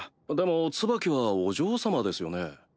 でもツバキはお嬢様ですよね？